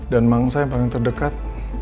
mangsa yang paling terdekat